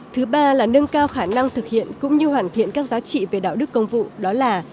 thứ ba là nâng cao khả năng thực hiện cũng như hoàn thiện các giá trị về đạo đức công vụ đó là